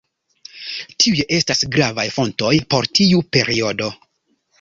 Tiuj estas gravaj fontoj por tiu periodo.